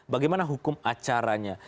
bagaimana hukum acaranya